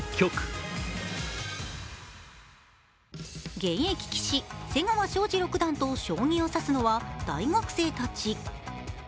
現役棋士・瀬川晶司六段と将棋を指すのは大学生たち。